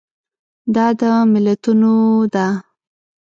دا د ملتونو ده.